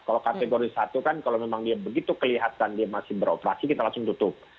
kalau kategori satu kan kalau memang dia begitu kelihatan dia masih beroperasi kita langsung tutup